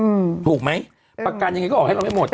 บบบบถูกไหมปะกันจังหง่ายก็ออกให้เราไม่หมด